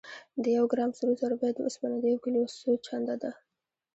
د یو ګرام سرو زرو بیه د اوسپنې د یو کیلو څو چنده ده.